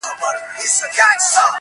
د اور ورين باران لمبو ته چي پناه راوړې